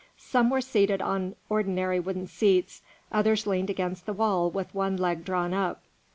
Some were seated on ordinary wooden seats, others leaned against the wall with one leg drawn up.